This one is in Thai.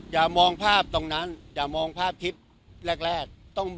อย่ามองภาพตรงนั้นอย่ามองภาพคลิปแรก